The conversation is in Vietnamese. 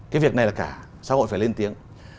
cái việc này là cả xã hội phải lên tiếng